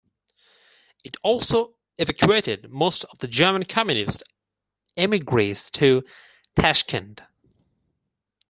It also evacuated most of the German communist emigres to Tashkent.